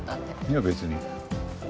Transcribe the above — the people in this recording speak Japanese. いや別に。